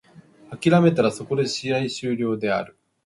諦めたらそこで試合終了である。